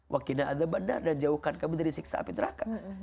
wakina adabandar dan jauhkan kami dari siksa api neraka